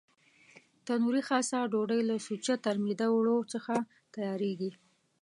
تنوري خاصه ډوډۍ له سوچه ترمیده اوړو څخه تیارېږي.